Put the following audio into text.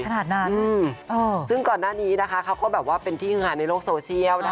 ขนาดนั้นซึ่งก่อนหน้านี้นะคะเขาก็แบบว่าเป็นที่คือหาในโลกโซเชียลนะคะ